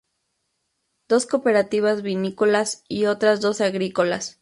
Dos cooperativas vinícolas y otras dos agrícolas.